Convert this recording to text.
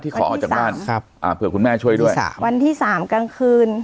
ที่ขอออกจากบ้านเผื่อคุณแม่ช่วยด้วยวันที่๓กลางคืน